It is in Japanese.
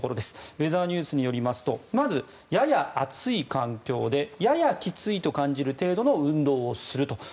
ウェザーニュースによりますとまず、やや暑い環境でややきついと感じる程度の運動をすると。